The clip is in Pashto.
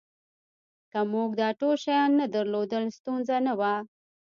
که موږ دا ټول شیان نه درلودل ستونزه نه وه